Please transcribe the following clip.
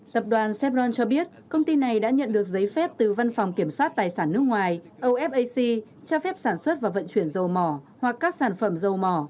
tập đoàn sepron cho biết công ty này đã nhận được giấy phép từ văn phòng kiểm soát tài sản nước ngoài ofac cho phép sản xuất và vận chuyển dầu mỏ hoặc các sản phẩm dầu mỏ